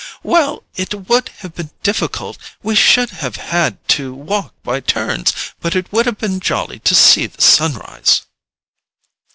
"Well, it would have been difficult; we should have had to walk by turns. But it would have been jolly to see the sunrise."